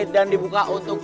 dan dibuka untuk